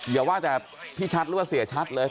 อย่าว่าจะพี่ชัตร์รู้ว่าเสียชัตร์เลย